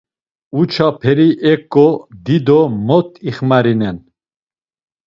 Uça peri ek̆o dido mot ixmarinen?